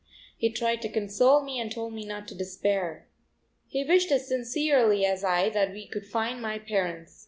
He tried to console me and told me not to despair. He wished as sincerely as I that we could find my parents.